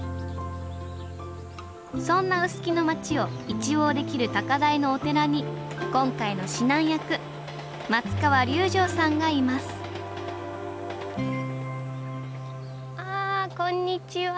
そんな臼杵の町を一望できる高台のお寺に今回の指南役松川隆乗さんがいますあこんにちは。